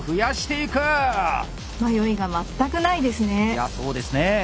いやあそうですねえ。